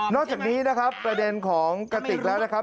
อกจากนี้นะครับประเด็นของกระติกแล้วนะครับ